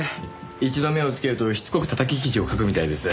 一度目をつけるとしつこく叩き記事を書くみたいです。